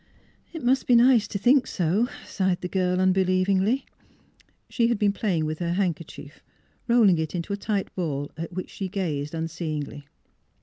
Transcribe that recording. *' It must be nice to think so," sighed the girl, unbelievingly. She had been playing with her handkerchief, rolling it into a tight ball at which she gazed nnseeingly.